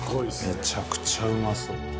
めちゃくちゃうまそう。